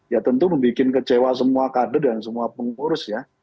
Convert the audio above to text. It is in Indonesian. ya tentu membuat kecewa semua kader dan semua pengurus ya